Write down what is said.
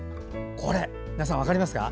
皆さん、分かりますか？